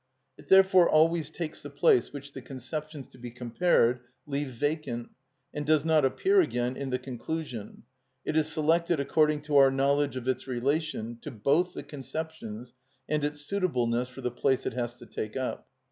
It therefore always takes the place which the conceptions to be compared leave vacant, and does not appear again in the conclusion. It is selected according to our knowledge of its relation to both the conceptions and its suitableness for the place it has to take up.